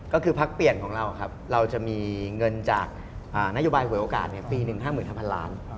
ก็คือพักเปลี่ยนของเราครับเราจะมีเงินจากนโยบายหวยโอกาสปี๑๕๕๐๐ล้าน